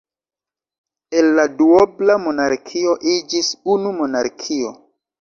El la duobla monarkio iĝis unu monarkio.